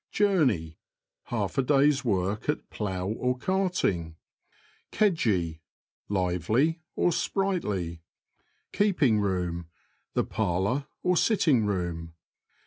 Journey. — Half a day's work at plough or carting. Kedgey. — Lively, sprightly. Keeping room. — The parlour or sitting room.